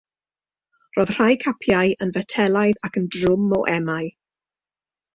Roedd rhai capiau yn fetelaidd ac yn drwm o emau.